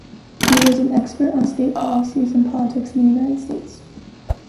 She was an expert on state policies and politics in the United States.